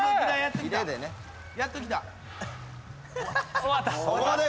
やっときた。